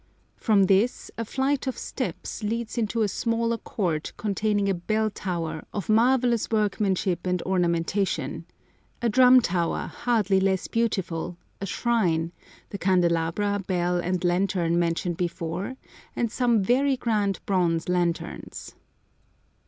From this a flight of steps leads into a smaller court containing a bell tower "of marvellous workmanship and ornamentation," a drum tower, hardly less beautiful, a shrine, the candelabra, bell, and lantern mentioned before, and some very grand bronze lanterns.